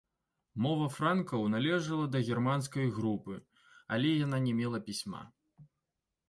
Мова франкаў належала да германскай групы, але яна не мела пісьма.